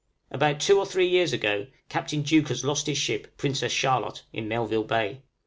About two or three years ago, Captain Deuchars lost his ship 'Princess Charlotte,' in Melville Bay.